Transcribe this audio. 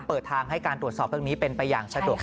เปิดทางให้การตรวจสอบเรื่องนี้เป็นไปอย่างสะดวก